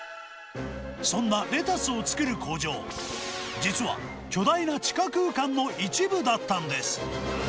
そんなレタスを作る工場、実は、巨大な地下空間の一部だったんです。